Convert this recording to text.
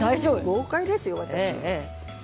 豪快ですよ私。